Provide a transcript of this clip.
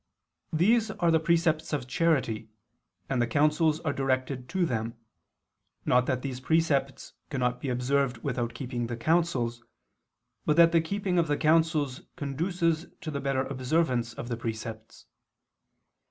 These are the precepts of charity, and the counsels are directed to them, not that these precepts cannot be observed without keeping the counsels, but that the keeping of the counsels conduces to the better observance of the precepts.